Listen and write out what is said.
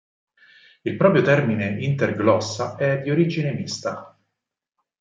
Il proprio termine "Inter-glossa" è di origine mista.